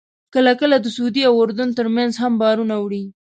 کله کله د سعودي او اردن ترمنځ هم بارونه وړي.